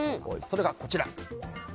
それが、こちら。